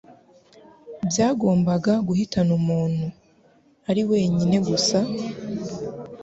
byagombaga guhitana umuntu. Ari wenyine gusa,